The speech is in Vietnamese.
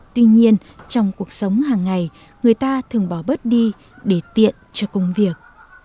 tuy nhiên trong cuộc sống hàng ngày người ta thường bỏ bớt đi để tiện cho công việc